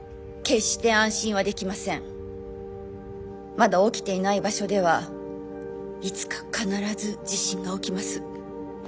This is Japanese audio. まだ起きていない場所ではいつか必ず地震が起きます。